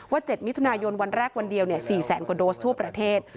๗มิถุนายนวันแรกวันเดียว๔แสนกว่าโดสทั่วประเทศ